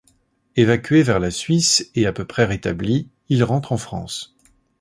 Évacué vers la Suisse et à peu près rétabli, il rentre en France.